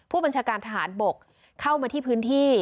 ผู้บัญชาการทหารบกเข้ามาที่พื้นที่